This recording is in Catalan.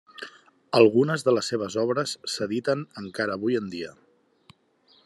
Algunes de les seves obres s'editen encara avui en dia.